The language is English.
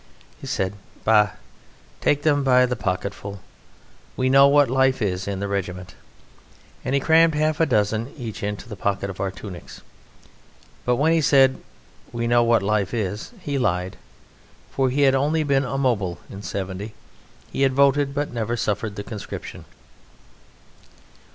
He said: "Bah! Take them by the pocketful! We know what life is in the regiment," and he crammed half a dozen each into the pocket of our tunics. But when he said "We know what the life is," he lied. For he had only been a "mobile" in '70. He had voted, but never suffered, the conscription.